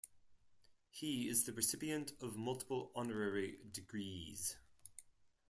He is the recipient of multiple honorary degrees.